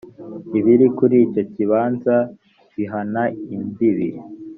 biri kuri icyo kibanza bihana imbibi